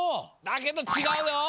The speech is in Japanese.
だけどちがうよ。